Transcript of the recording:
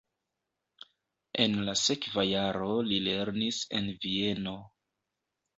En la sekva jaro li lernis en Vieno.